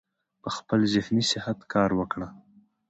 پۀ خپل ذهني صحت کار وکړي -